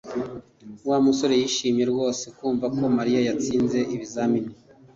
Wa musore yishimiye rwose kumva ko Mariya yatsinze ibizamini